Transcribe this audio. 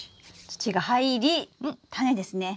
土が入りタネですね！